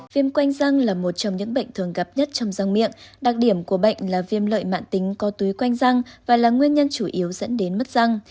viêm quanh răng là một trong những bệnh thường gặp nhất trong răng miệng đặc điểm của bệnh là viêm lợi mạng tính có túy quanh răng và là nguyên nhân chủ yếu dẫn đến mất răng